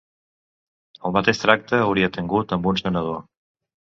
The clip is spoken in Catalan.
El mateix tracte hauria tingut amb un senador